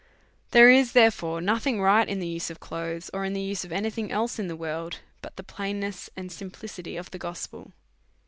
There is, therefore, nothing right in the use of clothes, or in the use of any thing else in the world, but the plainness and simplicity of the gospel.